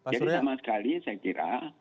jadi sama sekali saya kira